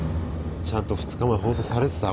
ちゃんと２日前放送されてた？